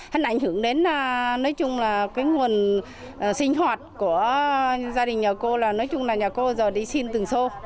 hẳn ảnh hưởng đến nguồn sinh hoạt của gia đình nhà cô là nhà cô giờ đi xin từng xô